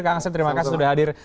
kang asep terima kasih sudah hadir